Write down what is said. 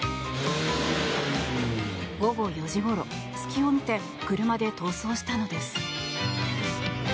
午後４時ごろ、隙を見て車で逃走したのです。